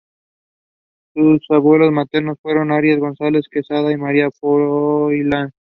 Sus abuelos maternos fueron Arias González de Quesada y María Froilaz.